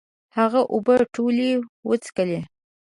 هغه اوبه ټولي وڅکلي